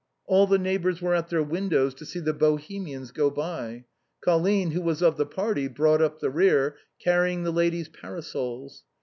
All the neighbors were at their win dows to see the Bohemians go by. Colline, who was of the party, brought up the rear, carrying the ladies' parasols.